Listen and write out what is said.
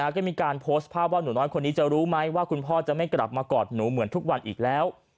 ก็มีการโพสต์ภาพว่าหนูน้อยคนนี้จะรู้ไหมว่าคุณพ่อจะไม่กลับมากอดหนูเหมือนทุกวันอีกแล้ว